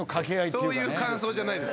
そういう感想じゃないです